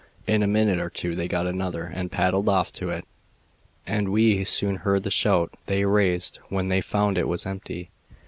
In a minute or two they got another and paddled off to it, and we soon heard the shout they raised when they found it was empty.